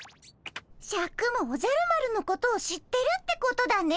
シャクもおじゃる丸のことを知ってるってことだね。